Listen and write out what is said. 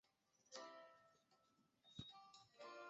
巴勒斯坦历史悠久。